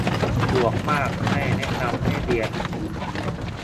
ดวกมาก ไม่แนะนำให้เรียน